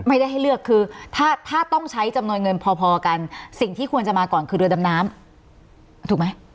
ไม่ได้ให้เลือกคือถ้าถ้าต้องใช้จำนวนเงินพอกันสิ่งที่ควรจะมาก่อนคือเรือดำน้ำถูกไหม